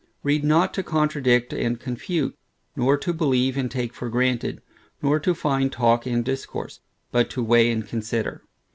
Read not to contradict and confute; nor to believe and take for granted; nor to find talk and discourse; but to weigh and consider.